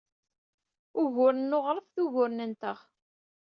Uguren n uɣref d uguren-nteɣ.